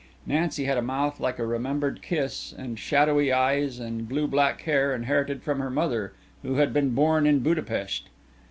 Nancy had a mouth like a remembered kiss and shadowy eyes and blue black hair inherited from her mother who had been born in Budapest.